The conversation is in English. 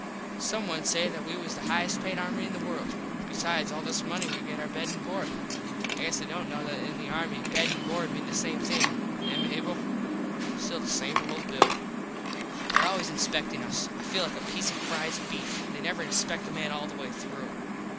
Some one say that we was the highest payed army in the world. Besides all this money we get our bed and board. I guess they dont know that in the army bed and board mean the same thing. Eh, Mable? Still the same old Bill. There always inspectin us. I feel like a piece of prize beef. They never inspect a man all the way through.